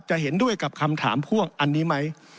เห็นด้วยกับคำถามพ่วงอันนี้ไหม